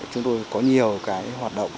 chúng tôi có nhiều hoạt động